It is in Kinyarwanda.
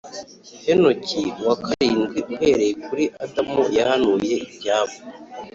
henoki uwa karindwi uhereye kuri adamu yahanuye ibyabo